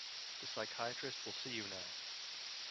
The psychiatrist will see you now.